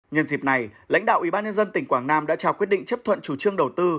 nhân dịp này lãnh đạo ủy ban nhân dân tỉnh quảng nam đã trao quyết định chấp thuận chủ trương đầu tư